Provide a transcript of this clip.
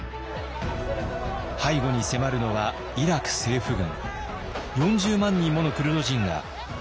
背後に迫るのはイラク政府軍。